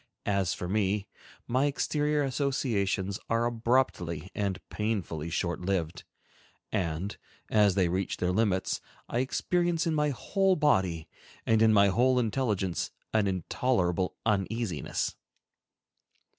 As for me, my exterior associations are abruptly and painfully short lived, and, as they reach their limits, I experience in my whole body and in my whole intelligence an intolerable uneasiness.